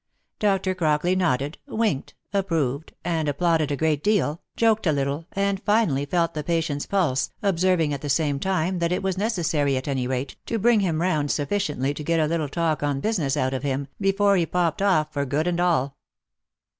Dr. Crockley nodded, winked, approved, and applauded a great deal, joked a little, and finally felt the patient's pulse, observing at the same time that it was necessary at any rate to bring him round sufficiently to get a little talk on business out of him, before he pop ped off for good and all.